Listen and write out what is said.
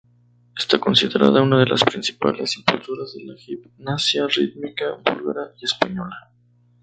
Está considerada una de las principales impulsoras de la gimnasia rítmica búlgara y española.